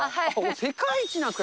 世界一なんですか？